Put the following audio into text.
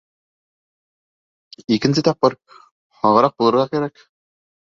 Икенсе тапҡыр һағыраҡ булырға кәрәк.